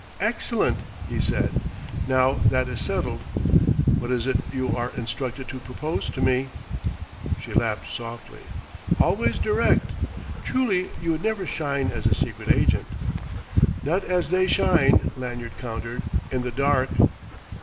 "Excellent!" he said. "Now that is settled: what is it you are instructed to propose to me?" She laughed softly. "Always direct! Truly you would never shine as a secret agent." "Not as they shine," Lanyard countered "in the dark."